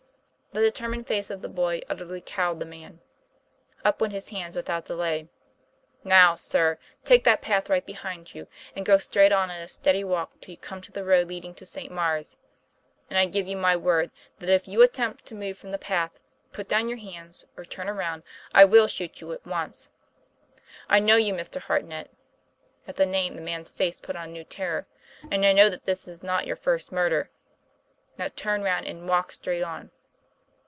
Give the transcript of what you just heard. The determined face of the boy utterly cowed the man. Up went his hands without delay. "Now, sir, take that path right behind you and go straight on at a steady walk till you come to the road leading to St. Maure's; and I give you my word that if you attempt to move from the path, put down your hands, or turn around, I will shoot you at once. I know you, Mr. Hartnett [at the name the man's face put on new terror], and I know that this is not your first murder. Now, turn round and walk straight on."